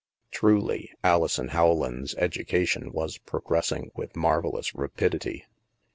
Truly, Alison Rowland's education was progressing with marvellous rapidity.